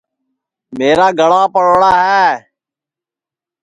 میرا گݪا پڑوڑا ہے